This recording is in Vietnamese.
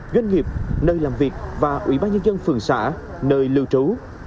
doanh nghiệp nơi làm việc và ủy ban nhân dân phường xã nơi lưu trú